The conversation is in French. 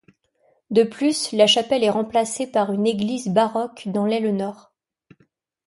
De plus, la chapelle est remplacée par une église baroque dans l'aile nord.